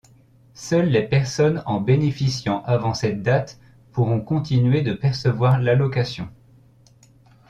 Seules les personnes en bénéficiant avant cette date pourront continuer de percevoir l'allocation.